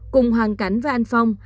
cùng hoàn cảnh với anh phong